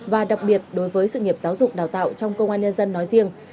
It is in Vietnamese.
và đặc biệt đối với sự nghiệp giáo dục đào tạo trong công an nhân dân nói riêng